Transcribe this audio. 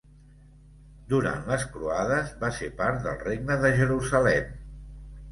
Durant les croades, va ser part del Regne de Jerusalem.